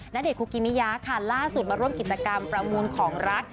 ณเดชคุกิมิยาค่ะล่าสุดมาร่วมกิจกรรมประมูลของรัก